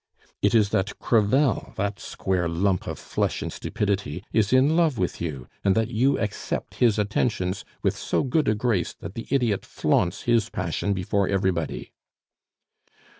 "It is that Crevel, that square lump of flesh and stupidity, is in love with you, and that you accept his attentions with so good a grace that the idiot flaunts his passion before everybody."